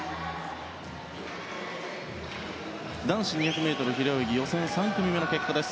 男子２００ｍ平泳ぎ予選３組目の結果です。